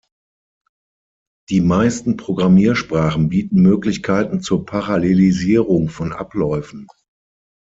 Die meisten Programmiersprachen bieten Möglichkeiten zur Parallelisierung von Abläufen.